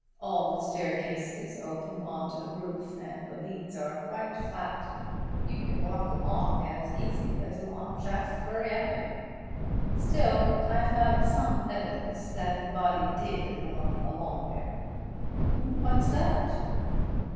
All the staircases open on to the roof and the leads are quite flat; you can walk along as easy as along Shaftesbury Avenue. Still, I've got some evidence that the body did walk along there." "What's that?"